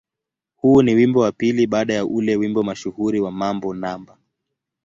Huu ni wimbo wa pili baada ya ule wimbo mashuhuri wa "Mambo No.